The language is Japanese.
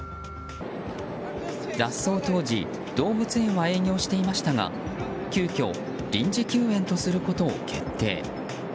脱走当時動物園は営業していましたが急きょ臨時救援とすることを決定。